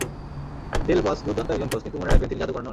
দেল Bosque দুর্দান্ত একজন coach, কিন্তু মনে রাখবেন, তিনি জাদুকর নন।